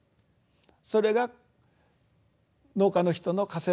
それが農家の人の課せられた宿命ですよ